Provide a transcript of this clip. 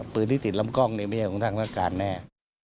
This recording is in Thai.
ปืนที่ติดลำกล้องเนี่ยไม่ใช่ของทางราชการแน่